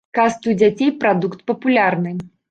Казкі ў дзяцей прадукт папулярны.